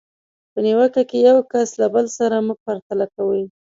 په نیوکه کې یو کس له بل سره مه پرتله کوئ.